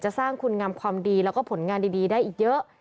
สร้างคุณงามความดีแล้วก็ผลงานดีได้อีกเยอะ